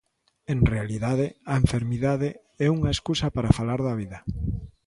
En realidade a enfermidade é unha escusa para falar da vida.